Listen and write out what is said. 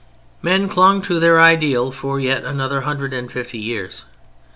Men clung to their ideal for yet another hundred and fifty years.